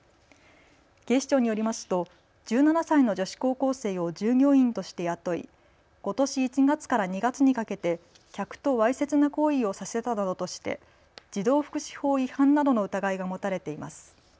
警視庁によりますと１７歳の女子高校生を従業員として雇いことし１月から２月にかけて客とわいせつな行為をさせたなどとして児童福祉法違反などの疑いが持たれています。